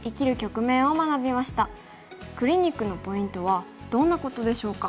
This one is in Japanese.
クリニックのポイントはどんなことでしょうか。